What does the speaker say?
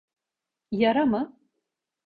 Yara mı?